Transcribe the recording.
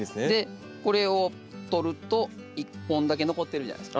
これを取ると１本だけ残ってるじゃないですか。